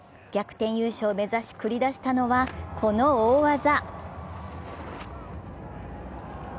逆転優勝を目指し繰り出したのはこの大技。